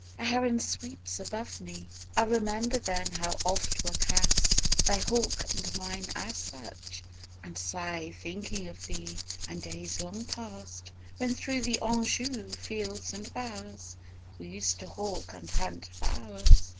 A heron sweeps above me: I Remember then how oft were cast Thy hawk and mine at such: and sigh Thinking of thee and days long past, When through the Anjou fields and bowers We used to hawk and hunt for hours.